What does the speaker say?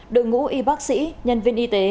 đội ngũ y bác sĩ nhân viên y tế